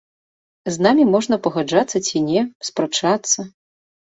З намі можна пагаджацца ці не, спрачацца.